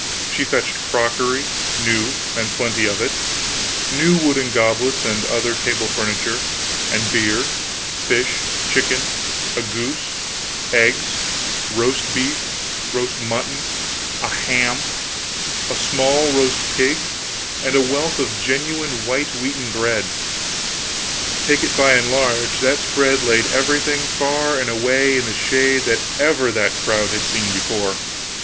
She fetched crockery new, and plenty of it; new wooden goblets and other table furniture; and beer, fish, chicken, a goose, eggs, roast beef, roast mutton, a ham, a small roast pig, and a wealth of genuine white wheaten bread. Take it by and large, that spread laid everything far and away in the shade that ever that crowd had seen before.